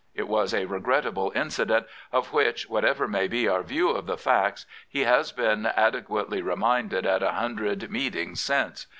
It was a regrettable incident, of which, whatever may be our view of the facts, he has been adequately re minded at a hundred meetings since.